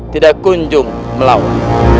tidak kunjung melawan